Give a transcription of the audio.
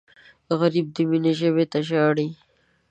غریب د مینې ژبې ته ژاړي